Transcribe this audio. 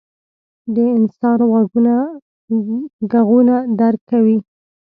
• د انسان غوږونه ږغونه درک کوي.